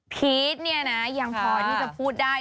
พีชเนี่ยนะยังพอที่จะพูดได้